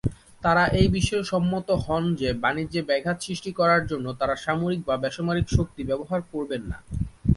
তারা এই বিষয়ে সম্মত হন যে বাণিজ্যে ব্যাঘাত সৃষ্টি করার জন্য তারা সামরিক বা বেসামরিক শক্তি ব্যবহার করবে না।